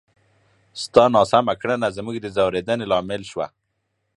ستا ناسمه کړنه زموږ د ځورېدنې لامل شوه!